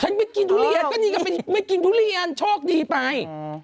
ไม่กินทุเรียนก็นี่ก็ไม่กินทุเรียนโชคดีไป